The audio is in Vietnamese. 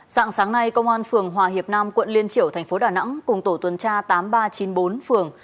sáng sáng nay công an phường hòa hiệp nam quận liên triểu tp đà nẵng cùng tổ tuần tra tám nghìn ba trăm chín mươi bốn phường